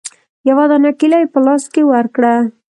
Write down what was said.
يوه دانه کېله يې په لاس کښې ورکړه.